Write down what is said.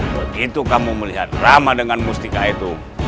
begitu kamu melihat ramah dengan mustika itu